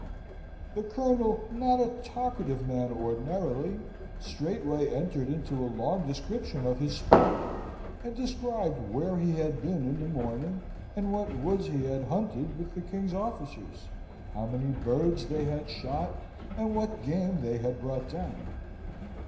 The Colonel, not a talkative man ordinarily, straightway entered into a long description of his sport, and described where he had been in the morning, and what woods he had hunted with the king's officers; how many birds they had shot, and what game they had brought down.